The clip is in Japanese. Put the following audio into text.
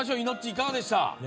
いかがでしたか？